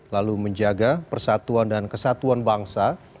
lalu menjaga persatuan dan kesatuan bangsa